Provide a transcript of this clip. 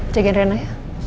jagain rena ya